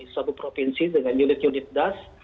satu provinsi dengan unit unit das